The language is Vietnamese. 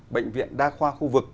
bệnh viện đa khoa